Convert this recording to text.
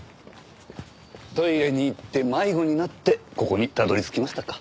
トイレに行って迷子になってここにたどり着きましたか。